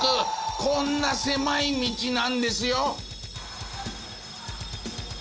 こんな狭い道なんですよ。